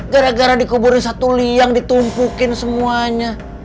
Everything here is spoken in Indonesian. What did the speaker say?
gara gara dikuburi satu liang ditumpukin semuanya